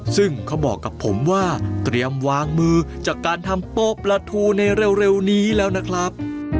ซึ่งเขาบอกกับผมว่าเตรียมวางมือจากการทำโป๊ะปลาทูในเร็วนี้แล้วนะครับ